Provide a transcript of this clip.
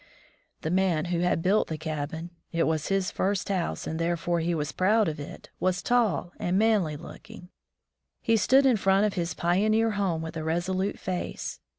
The man who had built the cabin — it was his first house, and therefore he was proud of it — was tall and manly looking. He stood in front of his pioneer home with a resolute face.